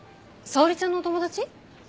沙織ちゃんのお友達？